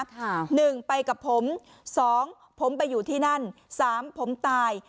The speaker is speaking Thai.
หนึ่งไปกับผมสองผมไปอยู่ที่นั่นสามผมตาย